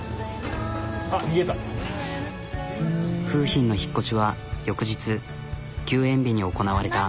楓浜の引っ越しは翌日休園日に行なわれた。